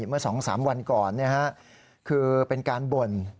เมื่อ๒๓วันก่อนคือเป็นการบ่น